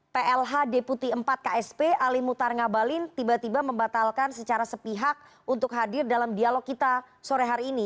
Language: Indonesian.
plh deputi empat ksp ali mutar ngabalin tiba tiba membatalkan secara sepihak untuk hadir dalam dialog kita sore hari ini